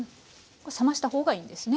これ冷ましたほうがいいんですね。